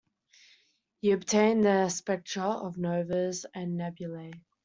He obtained a spectra of novas and nebulae.